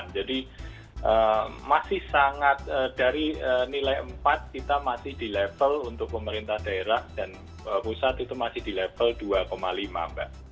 jadi masih sangat dari nilai empat kita masih di level untuk pemerintah daerah dan pusat itu masih di level dua lima mbak